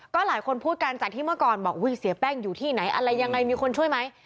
ก็หลายคนพูดกันจากที่เมื่อก่อนบอกเสียแป้งอยู่ที่ไหนอะไรยังไงมีคนช่วยไหม